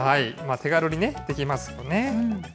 手軽にできますよね。